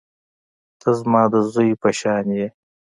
ته زما د زوى په شانتې يې.